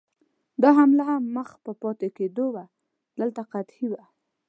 دا حمله هم مخ په پاتې کېدو وه، دلته قحطي وه.